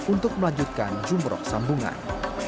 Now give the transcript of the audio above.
untuk melanjutkan jumroh sambungan